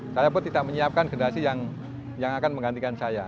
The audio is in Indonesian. saya pun tidak menyiapkan generasi yang akan menggantikan saya